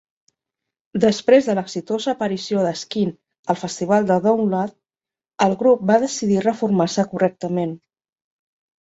Després de l'exitosa aparició de Skin al Festival de Download, el grup va decidir reformar-se correctament.